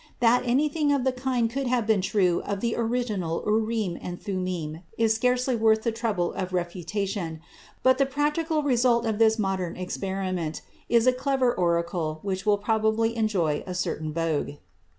That anything of the kind could have been true of the original Urim and Thummim is scarcely worthy the trouble of refutation, but the practical result of this modern experiment is a clever oracle which will probably enjoy a certain vogue.